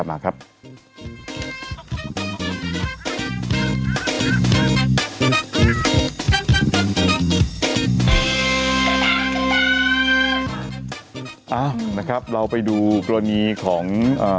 นะครับเราไปดูกรณีของ